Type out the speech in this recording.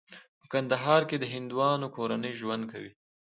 په کندهار کې د هندوانو کورنۍ ژوند کوي.